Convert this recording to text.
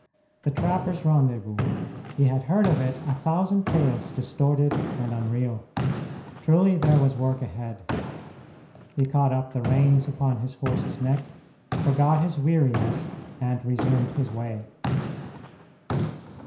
The trappers' rendezvous! He had heard of it a thousand tales distorted and unreal. Truly there was work ahead. He caught up the reins upon his horse's neck, forgot his weariness, and resumed his way.